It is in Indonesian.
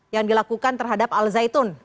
yang dilakukan terhadap azzaitun